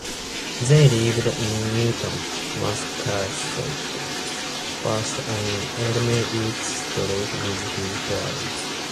They lived in Newton, Massachusetts, first on Elmwood Street with his parents.